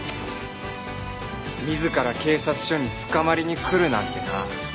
自ら警察署に捕まりに来るなんてな。